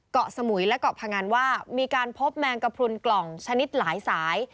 เกาะสมุยและเกาะพงันว่ามีการพบแมงกระพรุนกล่องชนิดหลายสาย